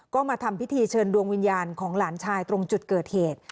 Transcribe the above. ก็มาทำพิธีเชิญดวงวิญญาณของหลานชายตรงจุดเกิดเหตุ